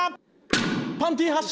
パンティ発射！